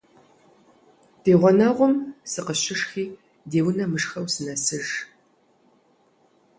Ди гъунэгъум сыкъыщышхи ди унэ мышхэу сынэсыж.